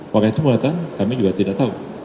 warga itu melakukan kami juga tidak tahu